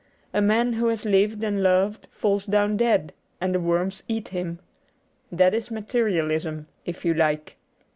A man who has lived and loved falls down dead and the worms eat him. That is Materialism, if you like.